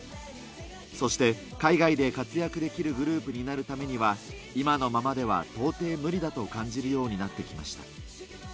そして、海外で活躍できるグループになるためには、今のままでは到底無理だと感じるようになってきました。